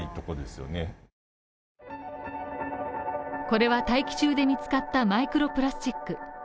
これは大気中で見つかったマイクロプラスチック。